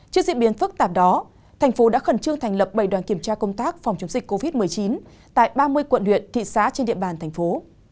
trước diễn biến phức tạp đó thành phố đã khẩn trương thành lập bảy đoàn kiểm tra công tác phòng chống dịch covid một mươi chín tại ba mươi quận huyện thị xã trên địa bàn thành phố